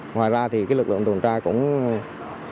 ngoài ra thì lực lượng tuần tra có thể tạo ra các loại tội phạm